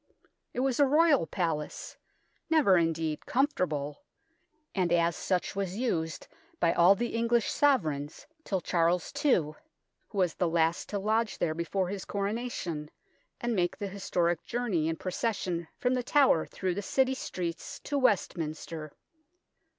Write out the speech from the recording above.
It was a Royal palace never, indeed, comfortable and as such was used by all the English Sovereigns till Charles II, who was the last to lodge there before his Coronation, and make the historic journey in procession from The Tower through the City streets to Westminster.